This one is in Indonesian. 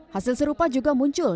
hasil serupa juga muncul